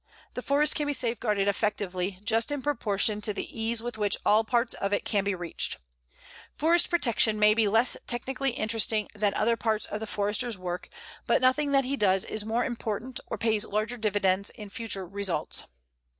The forest can be safeguarded effectively just in proportion to the ease with which all parts of it can be reached. Forest protection may be less technically interesting than other parts of the Forester's work, but nothing that he does is more important or pays larger dividends in future results.